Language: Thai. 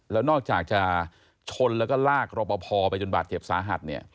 แล้วนอกจากจะชนแล้วก็ลากรอปภไปจนบาดเจ็บสาหัส